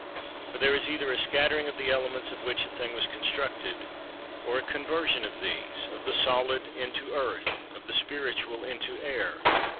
For there is either a scattering of the elements of which a thing was constructed, or a conversion of these, of the solid into earth, of the spiritual into air.